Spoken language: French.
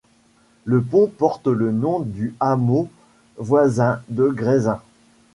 Le pont porte le nom du hameau voisin de Grésin.